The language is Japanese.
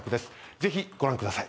ぜひご覧ください。